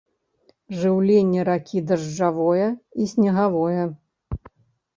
Жыўленне ракі дажджавое і снегавое.